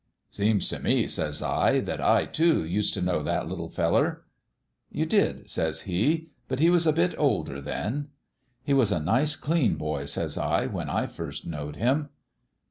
"' Seems t' me,' says I, * that I, too, used t' know that little feller.' "* You did,' says he ;* but he was a bit older, then.' "' He was a nice clean boy/ says I, ' when I first knowed him.'